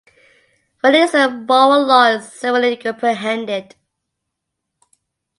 Wherein is the moral law summarily comprehended?